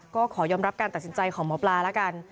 ก็ขอยอมรับการตัดสินใจของหมอปลาแล้วกัน